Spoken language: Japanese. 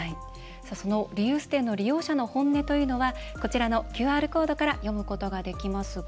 そのリユース店の利用者の本音というのはこちらのＱＲコードから読むことができますが